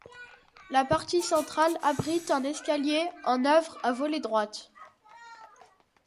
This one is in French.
La partie centrale abrite un escalier en œuvre à volée droite.